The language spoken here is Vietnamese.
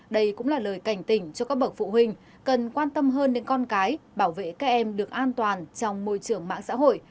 đây cũng là lời cảnh tỉnh cho các bậc phụ huynh cần quan tâm hơn đến con cái bảo vệ các em được an toàn trong môi trường mạng xã hội